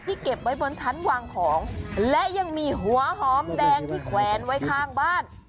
เก็บไว้บนชั้นวางของและยังมีหัวหอมแดงที่แขวนไว้ข้างบ้าน